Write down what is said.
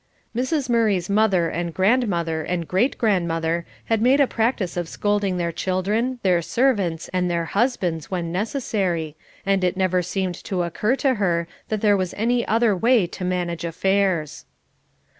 Mrs. Murray's mother and grandmother and great grandmother had made a practice of scolding their children, their servants, and their husbands, when necessary, and it never seemed to occur to her that there was any other way to manage affairs.